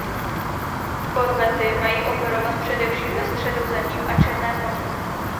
Korvety mají operovat především ve Středozemním a Černém moři.